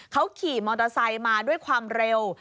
เขาขี่มอเตอร์ไซค์มาด้วยความเร็ว